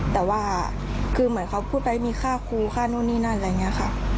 แต่ว่าคือเหมือนเขาพูดไว้มีค่าครูค่านู่นนี่นั่นอะไรอย่างนี้ค่ะ